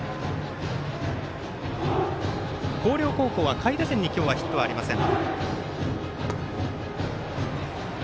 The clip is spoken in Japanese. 広陵高校は下位打線に今日はヒットありません。